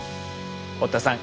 堀田さん